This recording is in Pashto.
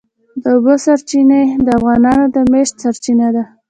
د اوبو سرچینې د افغانانو د معیشت سرچینه ده.